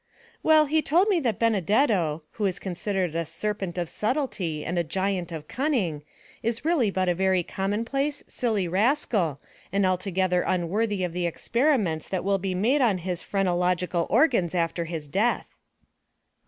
"Well, he told me that Benedetto, who is considered a serpent of subtlety and a giant of cunning, is really but a very commonplace, silly rascal, and altogether unworthy of the experiments that will be made on his phrenological organs after his death."